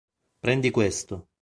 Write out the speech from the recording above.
Prendi questo!".